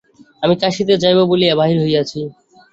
আমি কাশীতে যাইব বলিয়া বাহির হইয়াছি।